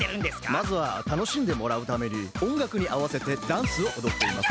まずはたのしんでもらうためにおんがくにあわせてダンスをおどっています。